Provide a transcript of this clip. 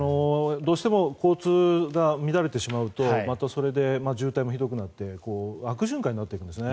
どうしても交通が乱れてしまうとまたそれで渋滞もひどくなって悪循環になっていくんですね。